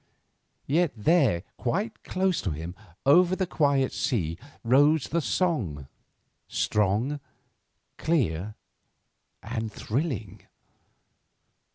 Yet, there, quite close to him, over the quiet sea rose the song, strong, clear, and thrilling.